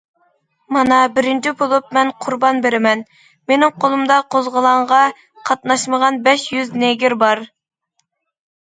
مانا، بىرىنچى بولۇپ مەن قۇربان بېرىمەن: مېنىڭ قولۇمدا قوزغىلاڭغا قاتناشمىغان بەش يۈز نېگىر بار.